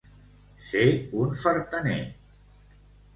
Ser un fartaner.